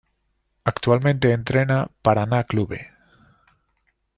Actualmente entrena Paraná Clube.